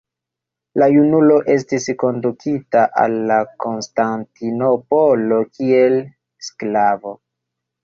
La junulo estis kondukita al Konstantinopolo kiel sklavo.